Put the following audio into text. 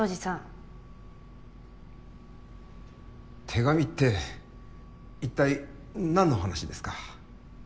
手紙って一体何の話ですか？